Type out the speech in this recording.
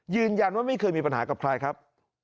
ยืนยันว่าไม่เคยมีปัญหากับใครครับ